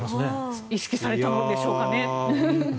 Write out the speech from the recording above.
意識されたんでしょうかね。